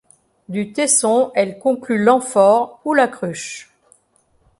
Du tesson elle conclut l’amphore, ou la cruche.